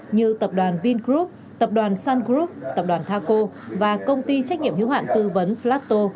như tập đoàn vingroup tập đoàn sun group tập đoàn thaco và công ty trách nhiệm hữu hạn tư vấn flato